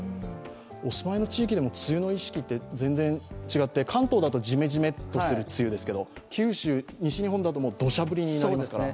お住まいの地域でも梅雨の意識って全然違って関東だとジメジメとする梅雨ですが、九州、西日本だとどしゃ降りになりますから。